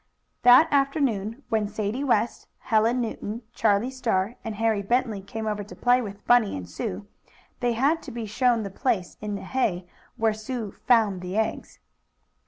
That afternoon, when Sadie West, Helen Newton, Charlie Star and Harry Bentley came over to play with Bunny and Sue, they had to be shown the place in the hay where Sue "found" the eggs.